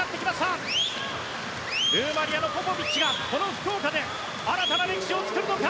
ルーマニアのポポビッチがこの福岡で新たな歴史を作るのか。